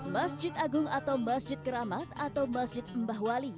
masjid agung atau masjid keramat atau masjid mbahwali